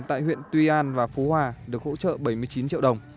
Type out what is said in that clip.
tại huyện tuy an và phú hòa được hỗ trợ bảy mươi chín triệu đồng